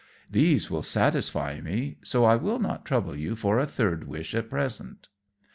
These will satisfy me, so I will not trouble you with a third wish at present."